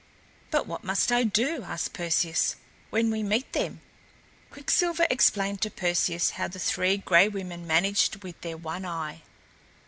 "But what must I do," asked Perseus, "when we meet them?" Quicksilver explained to Perseus how the Three Gray Women managed with their one eye.